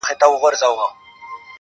د ورورولۍ په معنا~